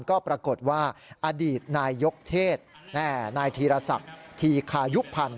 ก็ปรากฏว่าอดีตนายยกเทศนายธีรศักดิ์ธีคายุพันธ์